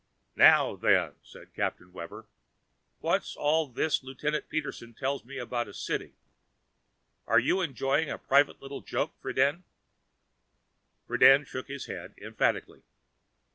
"Now then," said Captain Webber, "what's all this Lieutenant Peterson tells me about a city? Are you enjoying a private little joke, Friden?" Mr. Friden shook his head emphatically.